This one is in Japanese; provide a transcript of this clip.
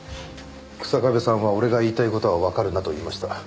日下部さんは「俺が言いたい事はわかるな？」と言いました。